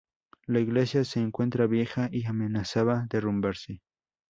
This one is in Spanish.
La iglesia se encontraba vieja y amenazaba derrumbarse.